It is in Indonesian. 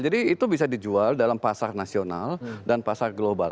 jadi itu bisa dijual dalam pasar nasional dan pasar global